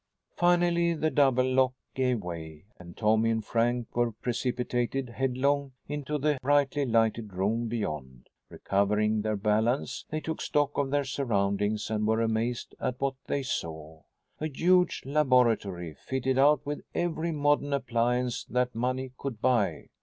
Finally the double lock gave way and Tommy and Frank were precipitated headlong into the brightly lighted room beyond. Recovering their balance, they took stock of their surroundings and were amazed at what they saw a huge laboratory, fitted out with every modern appliance that money could buy.